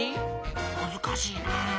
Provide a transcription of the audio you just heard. むずかしいな。